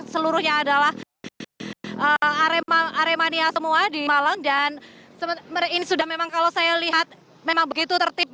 seluruhnya adalah aremania semua di malang dan ini sudah memang kalau saya lihat memang begitu tertib